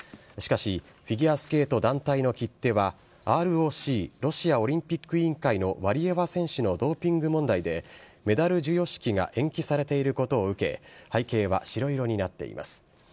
しかし、フィギュアスケート団体の切手は、ＲＯＣ・ロシアオリンピック委員会のワリエワ選手のドーピング問題で、メダル授与式が延期されていることを受け、背景は白色になっています。